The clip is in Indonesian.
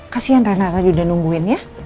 kasian rena tadi udah nungguin ya